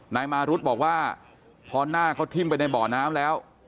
นายมารุธบอกว่าพอหน้าเขาทิ้มไปในบ่อน้ำแล้ว